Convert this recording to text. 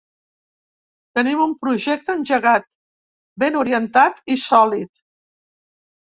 Tenim un projecte engegat, ben orientat i sòlid.